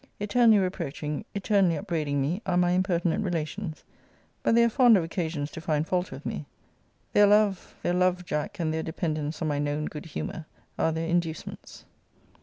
Eternally reproaching, eternally upbraiding me, are my impertinent relations. But they are fond of occasions to find fault with me. Their love, their love, Jack, and their dependence on my known good humour, are their inducements.